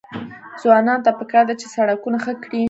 ځوانانو ته پکار ده چې، سړکونه ښه کړي.